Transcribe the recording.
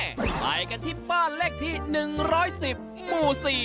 ไปกันที่บ้านเลขที่๑๑๐หมู่๔